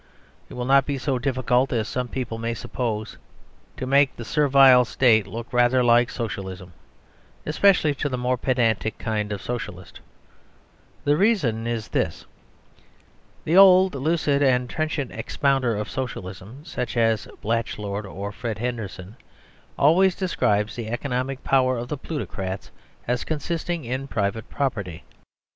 It will not be so difficult as some people may suppose to make the Servile State look rather like Socialism, especially to the more pedantic kind of Socialist. The reason is this. The old lucid and trenchant expounder of Socialism, such as Blatchford or Fred Henderson, always describes the economic power of the plutocrats as consisting in private property.